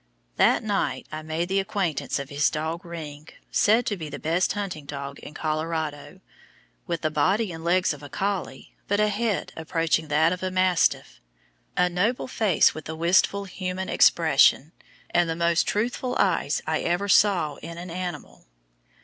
That night I made the acquaintance of his dog "Ring," said to be the best hunting dog in Colorado, with the body and legs of a collie, but a head approaching that of a mastiff, a noble face with a wistful human expression, and the most truthful eyes I ever saw in an animal.